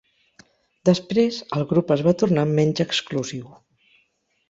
Després, el grup es va tornar menys exclusiu.